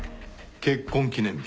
結婚記念日。